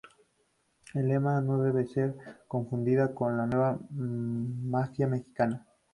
La Eme no debe ser confundida con la Nueva Mafia Mexicana.